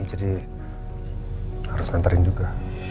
jadi harus ngantarin juga